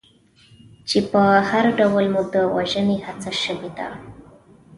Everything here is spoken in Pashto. چې په هر ډول مو د وژنې هڅه شوې ده.